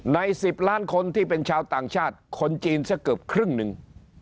๑๐ล้านคนที่เป็นชาวต่างชาติคนจีนสักเกือบครึ่งหนึ่ง